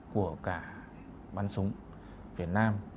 của cả bắn súng việt nam